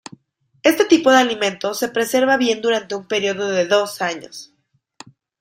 Este tipo de alimento se preserva bien durante un periodo de dos años.